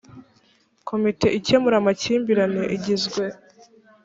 komite ikemura amakimbirane igizwe